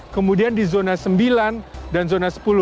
kemudian di zona sembilan dan zona sepuluh